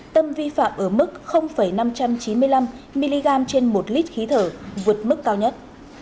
tâm vi phạm ở mức năm trăm chín mươi năm mg trên một lít khí thở vượt mức cao nhất